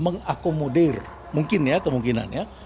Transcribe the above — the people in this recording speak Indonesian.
mengakomodir mungkin ya kemungkinan ya